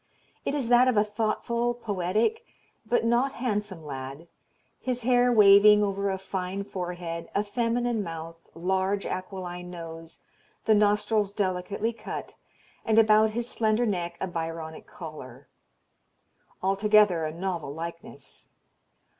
It is that of a thoughtful, poetic, but not handsome lad, his hair waving over a fine forehead, a feminine mouth, large, aquiline nose, the nostrils delicately cut, and about his slender neck a Byronic collar. Altogether a novel likeness.